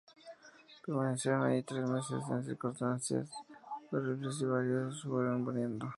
Permanecieron allí tres meses, en circunstancias horribles, y varios fueron muriendo.